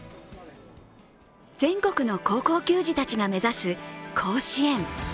全国の高校球児たちが目指す甲子園。